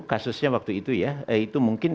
kasusnya waktu itu ya itu mungkin